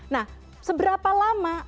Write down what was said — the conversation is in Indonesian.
nah seberapa lama